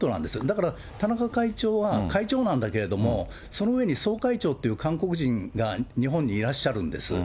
だから、田中会長は会長なんだけれども、その上に総会長という韓国人が日本にいらっしゃるんです。